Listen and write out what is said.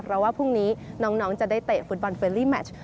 เพราะว่าพรุ่งนี้น้องจะได้เตะฟุตบอลเฟรลี่แมช